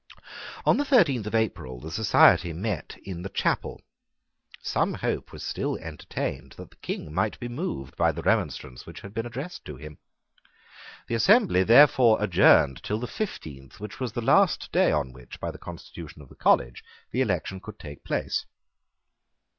On the thirteenth of April the society met in the chapel. Some hope was still entertained that the King might be moved by the remonstrance which had been addressed to him. The assembly therefore adjourned till the fifteenth, which was the last day on which, by the constitution of the college, the election could take place.